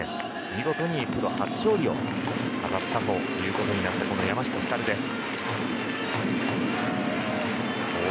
見事にプロ初勝利を飾ったことになったこの山下輝です。